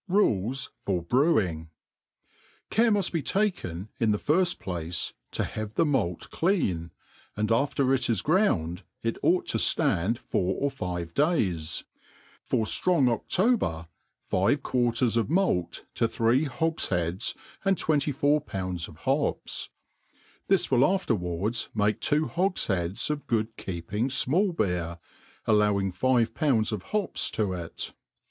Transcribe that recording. RULES for BREWING. CARE muft be takeri^ in the firft place, to have the malt dean ; and aftbr it id ground^ it ought to ftand four or five days. For Arong Ofiober, five quitrters of itialt to three hogf heads, and twenty four pounds of hops. Thi« will afterwards iiiake two hogflieads of good keeping fmall beer, allowing five pounds of hops to it.